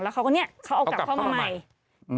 แล้วเขาก็เอากลับเข้ามาใหม่